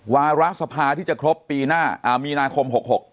วาระสภาที่จะครบปีหน้ามีนาคม๖๖